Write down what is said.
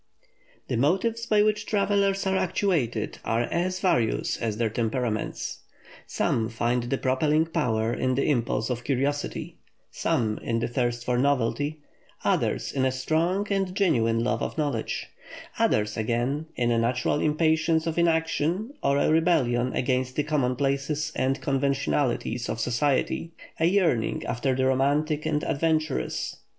The motives by which travellers are actuated are as various as their temperaments; some find the "propelling power" in the impulse of curiosity, some in the thirst for novelty; others in a strong and genuine love of knowledge; others, again, in a natural impatience of inaction, or a rebellion against the commonplaces and conventionalities of society, a yearning after the romantic and adventurous.